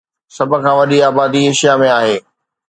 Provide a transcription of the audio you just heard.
سڀ کان وڏي آبادي ايشيا ۾ آهي